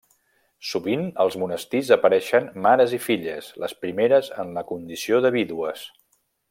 Sovint, als monestirs apareixen mares i filles, les primeres en la condició de vídues.